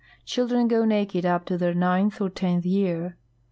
Children go naked up to their nintli or tenth year.